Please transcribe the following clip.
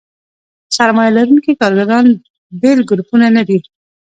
سرمایه لرونکي کارګران بېل ګروپونه نه دي.